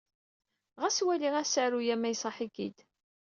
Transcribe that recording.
Ɣas wali asaru-a ma iṣaḥ-ik-id.